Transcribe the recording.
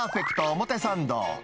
表参道。